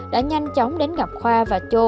đã nhanh chóng đến gặp khoa và chô